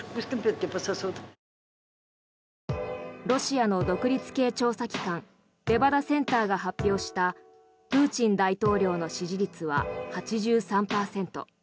ロシアの独立系調査機関レバダセンターが発表したプーチン大統領の支持率は８３％。